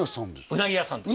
うなぎ屋さんです